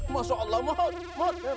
masya allah maut